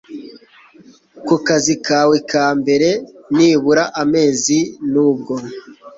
ku kazi kawe ka mbere nibura amezi nubwo